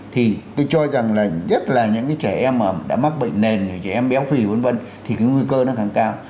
thì tôi cho rằng là rất là những cái trẻ em mà đã mắc bệnh nền trẻ em béo phì vân vân thì cái nguy cơ nó khẳng cao